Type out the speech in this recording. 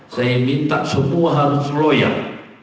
saya minta semua harus loyal